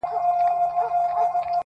هغه قبرو ته ورځم_